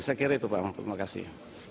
saya kira itu pak terima kasih